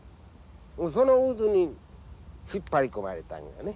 その渦に引っ張り込まれたんやね。